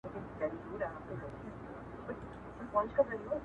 اسلم ګورکی